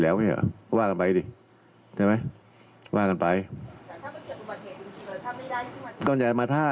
ไอที่ว่าผมจะเลิกอะไรต่างผมไม่ตอบอะไรก็ดิ